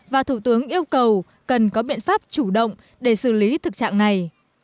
và thủ tướng yêu cầu cần có biện pháp chủ động để xử lý thực trạng này